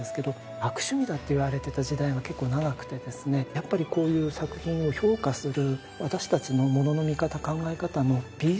やっぱりこういう作品を評価する。